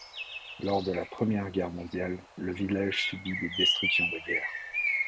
Lors de la Première Guerre mondiale, le village subit des destructions de guerre.